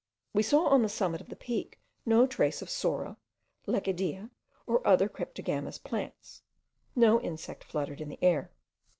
We saw on the summit of the Peak no trace of psora, lecidea, or other cryptogamous plants; no insect fluttered in the air.